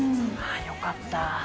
よかった。